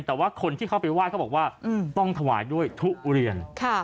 แต่ว่าคนที่เข้าไปไหว้เขาบอกว่าต้องถวายด้วยทุเรียน